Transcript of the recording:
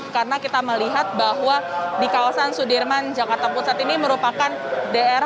karena kita melihat bahwa di kawasan sudirman jakarta pusat ini merupakan dr